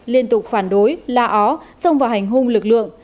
liên tục phản đối la ó xông vào hành hung lực lượng